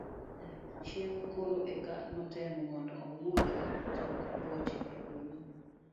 chieng' koro eka netemo mondo owuog e tok boche e polo